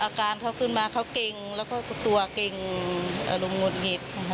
อาการเขาขึ้นมาเขาเก่งแล้วก็ตัวเก่งอารมณ์หงุดหงิด